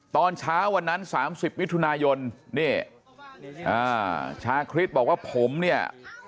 ตอนเช้าวันนั้นสามสิบมิถุนายนเนี่ยอ่าชาคริสต์บอกว่าผมเนี่ย